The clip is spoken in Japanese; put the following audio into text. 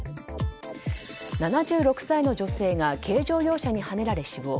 ７６歳の女性が軽乗用車にはねられ死亡。